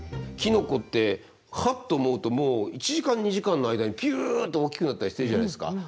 キノコってハッと思うともう１時間２時間の間にぴゅっと大きくなったりしてるじゃないですか。